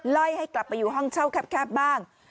ไล่ให้กลับไปอยู่ห้องเช่าแคบบ้าง